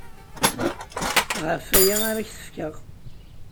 Ɣef waya ara ak-t-fkeɣ.